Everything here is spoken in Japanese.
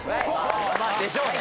まあでしょうね。